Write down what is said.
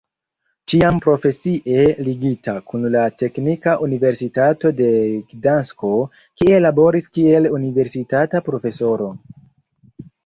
Ĉiam profesie ligita kun la Teknika Universitato en Gdansko, kie laboris kiel universitata profesoro.